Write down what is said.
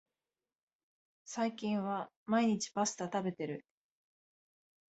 最近は毎日パスタ食べてる